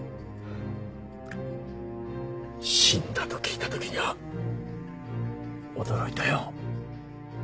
死んだと聞いた時には驚いたよ。